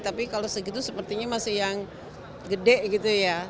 tapi kalau segitu sepertinya masih yang gede gitu ya